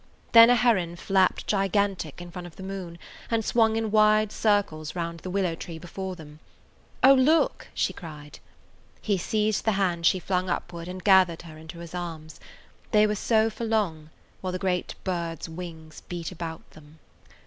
Then a heron flapped gigantic in front of the moon, and swung in wide circles round the willow tree before them. "Oh, look!" she cried. He seized the hand she flung upward and gathered her into his arms. They were so for long, while the great bird's wings beat about them.